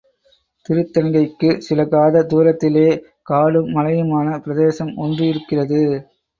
திருத்தணிகைக்கு சில காத தூரத்திலே காடும் மலையுமான பிரதேசம் ஒன்றிருக்கிறது.